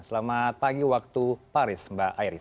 selamat pagi waktu paris mbak iris